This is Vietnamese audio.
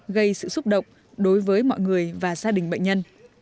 gây sự xúc động đối với mọi người và gia đình bệnh nhân